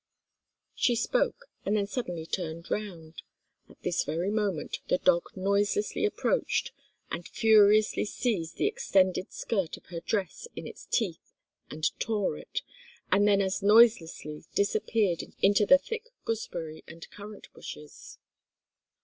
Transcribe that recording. She spoke, and then suddenly turned round. At this very moment the dog noiselessly approached, and furiously seized the extended skirt of her dress in its teeth and tore it, and then as noiselessly disappeared into the thick gooseberry and currant bushes.